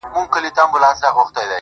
ماشوم د روح مې هیڅ له دې غمجنه نه بېلېږي